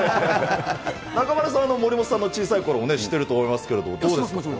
中丸さんは森本さんの小さいころも知ってると思いますけれどどうですか？